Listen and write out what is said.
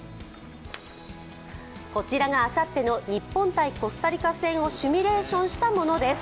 こちらがあさっての日本×コスタリカ戦をシミュレーションしたものです。